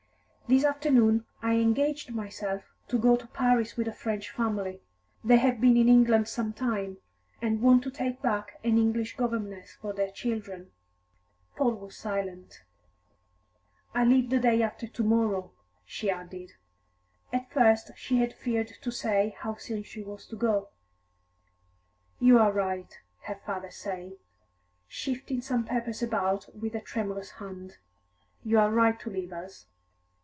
"This afternoon I engaged myself to go to Paris with a French family. They have been in England some time, and want to take back an English governess for their children." Paul was silent. "I leave the day after to morrow," she added; at first she had feared to say how soon she was to go. "You are right," her father said, shifting some papers about with a tremulous hand. "You are right to leave us.